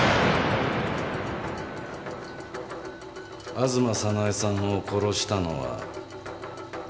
吾妻早苗さんを殺したのは。